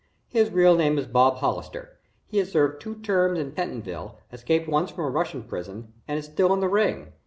His real name is Bob Hollister. He has served two terms in Pentonville, escaped once from a Russian prison, and is still in the ring.